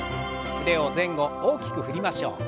腕を前後大きく振りましょう。